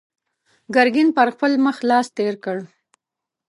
ګرګين پر خپل مخ لاس تېر کړ.